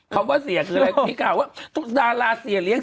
คำว่าเสียคืออะไรมีข่าวว่าทุกดาราเสียเลี้ย